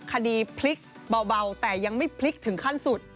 คดีพลิกเบาแต่ยังไม่พลิกถึงขั้นสุด